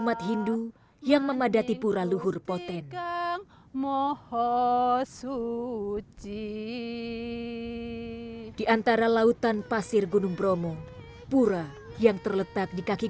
michael kriman hakim adalah anggota konservatif cukup eyelashes dan vreme channel sekali